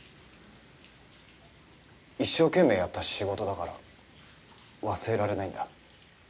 一生懸命やった仕事だから忘れられないんだ。